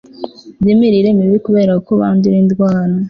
by'imirire mibi kubera ko bandura indwara